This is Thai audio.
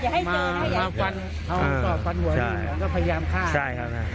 มากว่าเมืองการฟังหวัดทุกคนก็พยายามฆ่า